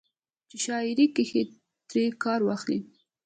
چې شاعرۍ کښې ترې کار واخلي